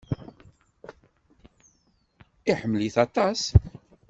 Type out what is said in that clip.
Iḥemmel-it aṭas.